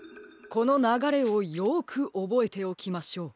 このながれをよくおぼえておきましょう。